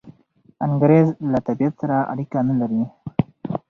انګریز له طبیعت سره اړیکه نلري.